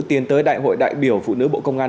tiến tới đại hội đại biểu phụ nữ bộ công an